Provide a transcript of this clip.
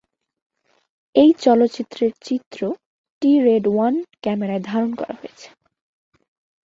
এই চলচ্চিত্রের চিত্র, টি রেড ওয়ান ক্যামেরায় ধারণ করা হয়েছে।